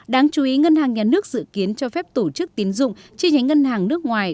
đáng chú ý ngân hàng nhà nước dự kiến cho phép tổ chức tiến dụng chi nhánh ngân hàng nước ngoài